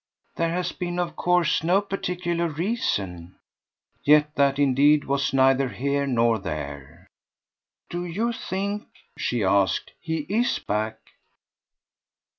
"There has been of course no particular reason." Yet that indeed was neither here nor there. "Do you think," she asked, "he IS back?"